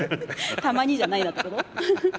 たまにじゃないなってこと？